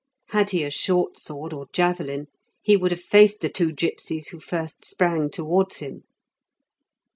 Had he a short sword, or javelin, he would have faced the two gipsies who first sprang towards him.